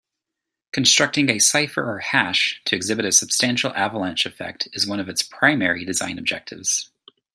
Constructing a cipher or hash to exhibit a substantial avalanche effect is one of its primary design objectives.